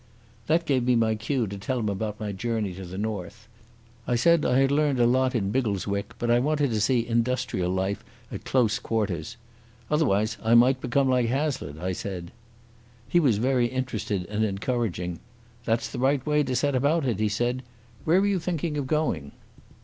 That gave me my cue to tell him about my journey to the North. I said I had learned a lot in Biggleswick, but I wanted to see industrial life at close quarters. "Otherwise I might become like Hazlitt," I said. He was very interested and encouraging. "That's the right way to set about it," he said. "Where were you thinking of going?"